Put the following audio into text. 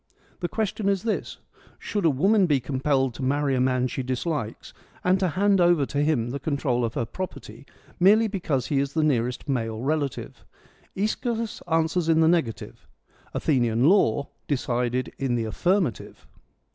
The question is this —■ Should a woman be compelled to marry a man she dislikes, and to hand over to him the control of her property, merely because he is the nearest male relative ?' ^Eschylus answers in the negative ; Athenian law decided in the affirmative.